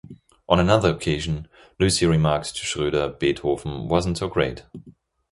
On another occasion, Lucy remarks to Schroeder Beethoven wasn't so great.